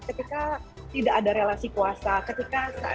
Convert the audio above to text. ketika tidak ada relasi kuasa ketika sebagai laki laki sebagai pacar